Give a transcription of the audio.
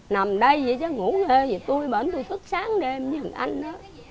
nằm đây chứ ngủ nghe gì tôi bẩn tôi thức sáng đêm nhìn anh đó